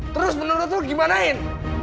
terus menurut lo gimanain